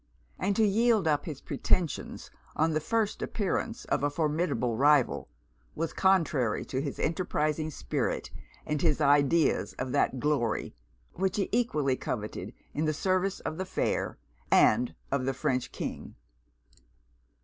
And to yield up his pretensions, on the first appearance of a formidable rival, was contrary to his enterprising spirit and his ideas of that glory, which he equally coveted in the service of the fair and of the French King.